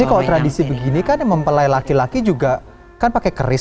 tapi kalau tradisi begini kan yang mempelai laki laki juga kan pakai keris